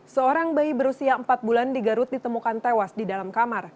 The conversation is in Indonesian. seorang bayi berusia empat bulan di garut ditemukan tewas di dalam kamar